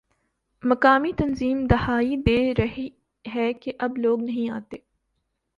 مقامی تنظیم دہائی دے رہی ہے کہ اب لوگ نہیں آتے